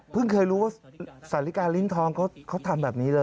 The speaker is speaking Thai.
เคยรู้ว่าสาลิกาลิ้นทองเขาทำแบบนี้เลย